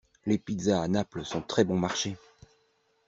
Les pizzas à Naples sont très bon marché.